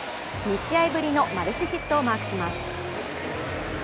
２試合ぶりのマルチヒットをマークします。